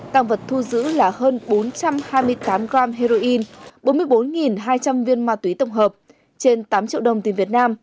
tăng vật thu giữ là hơn bốn trăm hai mươi tám gram heroin bốn mươi bốn hai trăm linh viên ma túy tổng hợp trên tám triệu đồng tiền việt nam